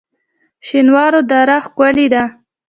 شینوارو دره ښکلې ده؟